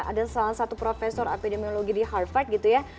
ada salah satu profesor epidemiologi di harvard gitu ya